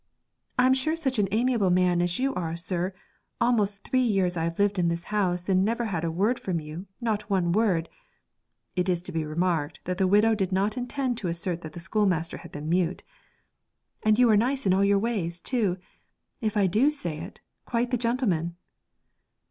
'I'm sure such an amiable man as you are, sir, almost three years I've been in this house and never had a word from you, not one word' it is to be remarked that the widow did not intend to assert that the schoolmaster had been mute 'and you are nice in all your ways, too; if I do say it, quite the gentleman.'